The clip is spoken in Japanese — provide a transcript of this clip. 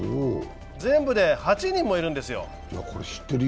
全部で８人もいるんですよ。